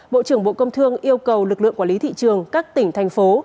bộ trưởng bộ công thương yêu cầu lực lượng quản lý thị trường các tỉnh thành phố